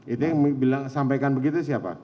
itu yang bilang sampaikan begitu siapa